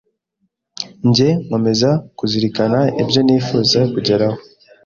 nge nkomeza kuzirikana ibyo nifuza kugeraho.